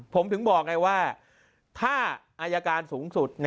ผมถึงบอกไงว่าถ้าอายการสูงสุด